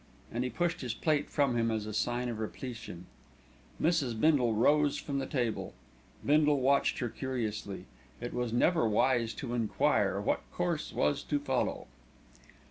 and he pushed his plate from him as a sign of repletion. Mrs. Bindle rose from the table. Bindle watched her curiously; it was never wise to enquire what course was to follow.